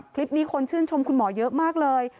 คลิปนี้คนชื่นชมคุณหมอเยอะมากเลย